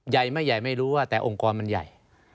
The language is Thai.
ใหญ่ไม่ใหญ่ไม่รู้ว่าแต่องค์กรมันใหญ่